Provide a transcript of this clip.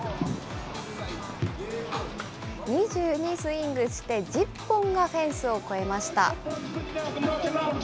２２スイングして１０本がフェンスを越えました。